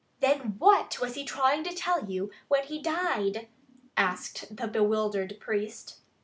"Then what was he trying to tell you when he died?" asked the bewildered priest.